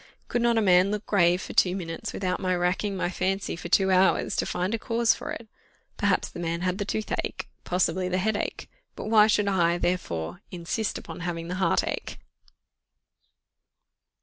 _ "Could not a man look grave for two minutes without my racking my fancy for two hours to find a cause for it? Perhaps the man had the toothache; possibly the headache; but why should I, therefore, insist upon having the heartache?"